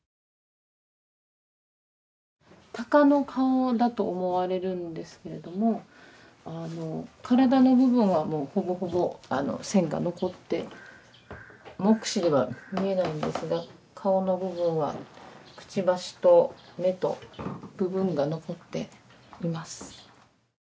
タカの顔だと思われるんですけれども体の部分はもうほぼほぼ線が残って目視では見えないんですが顔の部分はくちばしと目と部分が残っています。